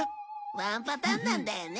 ワンパターンなんだよね。